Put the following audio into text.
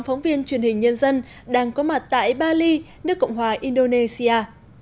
phóng viên truyền hình nhân dân đang có mặt tại bali nước cộng hòa indonesia